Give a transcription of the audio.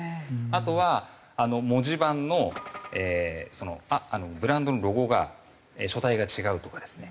あとは文字盤のブランドのロゴが書体が違うとかですね。